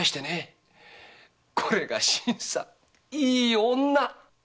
これが新さんいい女！